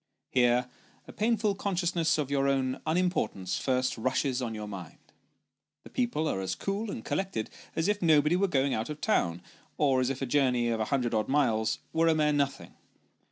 Here a painful consciousness of your own un importance first rushes on your mind the people are as cool and collected as if nobody were going out of town, or as if a journey of a hundred odd miles were a mere nothing.